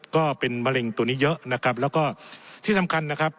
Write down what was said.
ก็เป็นมะเร็งตัวนี้เยอะนะครับแล้วก็ที่สำคัญนะครับ